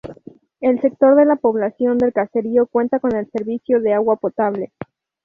Un sector de la población del caserío cuenta con el servicio de agua potable.